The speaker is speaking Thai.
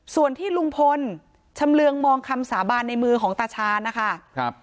ส่วนที่ลุงพลชำเรืองมองคำสาบานในมือของตาชาญนะคะครับ